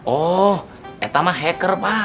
oh itu mah hacker pak